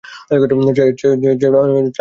চায়ের দোকানে হবে সে।